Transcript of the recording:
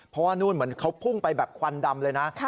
เพราะว่านู่นเหมือนเขาพุ่งไปแบบควันดำเลยนะ